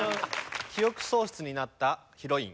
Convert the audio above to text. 「記憶喪失になったヒロイン」。